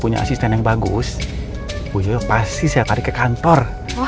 punya asisten yang bagus khususnya pasti saya tarik ke kantor